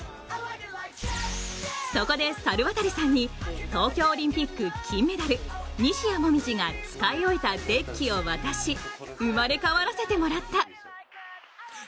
そこで猿渡さんに東京オリンピック金メダル、西矢椛が使い終えたデッキを渡し、生まれ変わらせてもらった。